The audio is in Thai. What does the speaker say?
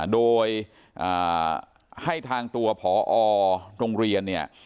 โดยให้ทางตัวผอโรงเรียนเนี่ย